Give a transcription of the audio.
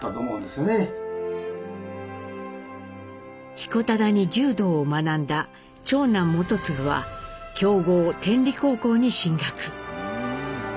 彦忠に柔道を学んだ長男基次は強豪天理高校に進学。